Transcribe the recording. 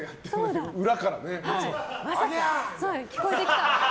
聞こえてきた。